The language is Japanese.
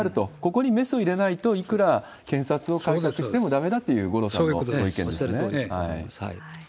ここにメスを入れないと、いくら検察を改革してもだめだという五郎さんのご意見ですね。